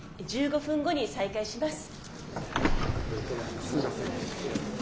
１５分後に再開します。